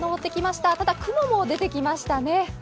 ただ雲も出てきましたね。